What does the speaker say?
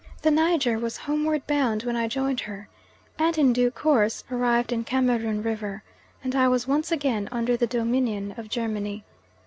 The Niger was homeward bound when I joined her, and in due course arrived in Cameroon River, and I was once again under the dominion of Germany.